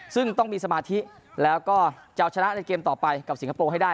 ซึ่งต้องมีสมาธิแล้วก็จะเอาชนะในเกมต่อไปกับสิงคโปร์ให้ได้